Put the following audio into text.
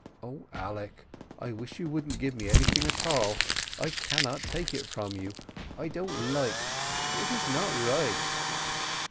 "O, Alec, I wish you wouldn't give me anything at all! I cannot take it from you! I don't like—it is not right!"